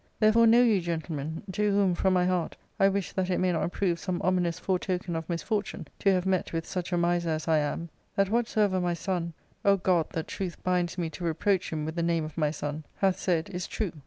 Therefore, know you, gentlemen — to whom, from my heart, I wish that it may not prove some ominous foretoken of misfortune to have met with such a miser* as I am — ^that whatsoever my son — O God, that truth binds me to reproach him with the name of my son !— hath said is true.